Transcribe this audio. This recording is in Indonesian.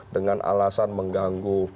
dengan alasan mengganggu